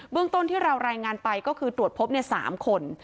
เรื่องต้นที่เรารายงานไปก็คือตรวจพบ๓คน